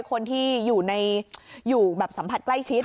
คนที่อยู่แบบสัมผัสใกล้ชิด